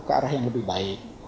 ke arah yang lebih baik